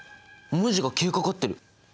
文字が消えかかってる。